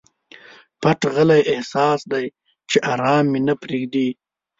پټ غلی احساس دی چې ارام مي نه پریږدي.